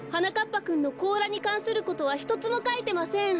ぱくんのこうらにかんすることはひとつもかいてません。